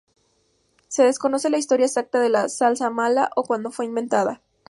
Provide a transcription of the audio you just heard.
Se desconoce la historia exacta de la salsa "mala", o cuándo fue inventada.